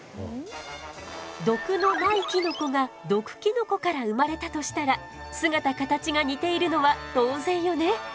毒のないキノコが毒キノコから生まれたとしたら姿形が似ているのは当然よね。